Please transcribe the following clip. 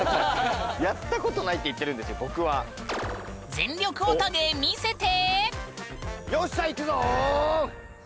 全力ヲタ芸見せて！